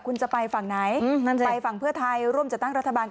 คุณจะไปฝั่งไหนอืมนั่นแหละไปฝั่งเพื่อไทยร่วมจัดตั้งรัฐบาลกับ